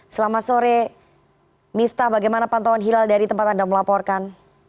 selamat sore miftah bagaimana pantauan hilal dari tempat anda melaporkan